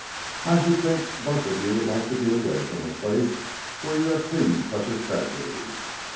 "I should think both of you would like to be away from a place where you have seen such a tragedy."